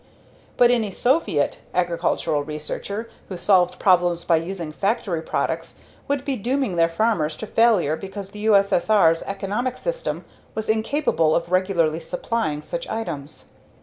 But any Soviet agricultural researcher who solved problems by using factory products would be dooming their farmers to failure because the U.S.S.R.'s economic system was incapable of regularly supplying such items.